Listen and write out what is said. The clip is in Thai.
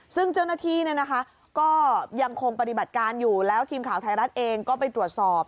ซึ่งเจ้าหน้าที่ก็ยังคงปฏิบัติการอยู่แล้วทีมข่าวไทยรัฐเองก็ไปตรวจสอบ